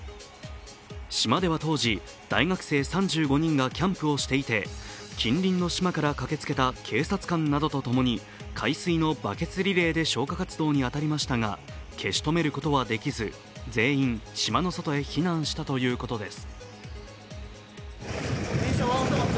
島では当時、大学生３５人がキャンプをしていて近隣の島から駆けつけた警察官などとともに海水のバケツリレーで消火活動に当たりましたが消し止めることはできず全員、島の外へ避難したということです。